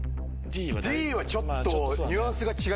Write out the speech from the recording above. Ｄはちょっと。